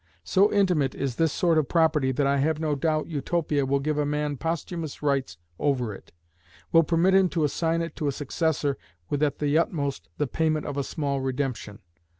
So intimate is this sort of property that I have no doubt Utopia will give a man posthumous rights over it will permit him to assign it to a successor with at the utmost the payment of a small redemption.